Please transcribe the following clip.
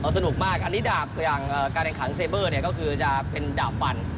สนุกมากอันนี้ดาบอย่างการแข่งขันเซเบอร์เนี่ยก็คือจะเป็นดาบฟัน